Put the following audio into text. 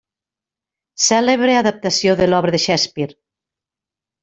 Cèlebre adaptació de l'obra de Shakespeare.